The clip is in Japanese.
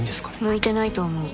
向いてないと思う。